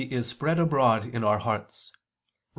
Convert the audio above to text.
. is spread abroad in our hearts" (Rom.